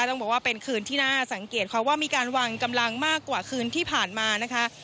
ต้องบอกว่าเป็นคืนที่น่าสังเกตค่ะว่ามีการวางกำลังมากกว่าคืนที่ผ่านมานะคะ